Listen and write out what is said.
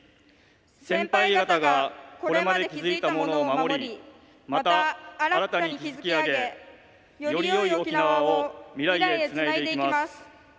先輩方がこれまで築いたものを守りまた新たに築き上げより良い沖縄を未来へつないでいきます。